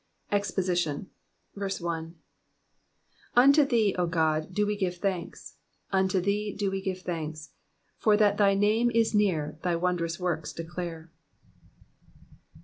EXPOSITION. UNTO thee, O God, do we give thanks, un/o thee do we give thanks : for that thy name is near thy wondrous works declare.